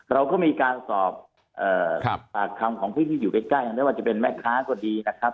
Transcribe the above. เราก็มีการสอบปากคำของผู้ที่อยู่ใกล้ไม่ว่าจะเป็นแม่ค้าก็ดีนะครับ